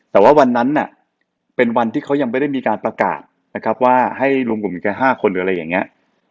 แต่ว่าวันนั้นน่ะเป็นวันที่เขายังไม่ได้มีการประกาศนะครับว่าให้รวมกลุ่มอยู่แค่๕คนหรืออะไรอย่างนี้